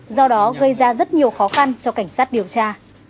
do đó gây ra rất nhiều khó khăn cho cảnh sát điều tra